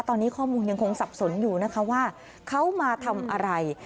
ตอนนี้ข้อมูลยังคงสับสนอยู่นะคะว่าเขามาทำอะไร